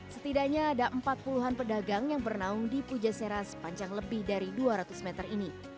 setidaknya ada empat puluhan pedagang yang bernaung di pujasera sepanjang lebih dari dua ratus meter ini